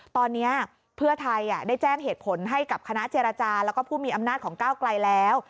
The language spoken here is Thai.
ตอนนี้เพื่อไทยได้แจ้งเหตุผลให้กับคณะเจรจาแล้วก็ผู้มีอำนาจของก้าวไกลแล้ว